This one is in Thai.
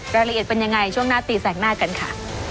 รายละเอียดเป็นยังไงช่วงหน้าตีแสงหน้ากันค่ะ